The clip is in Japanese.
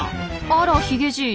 あらヒゲじい。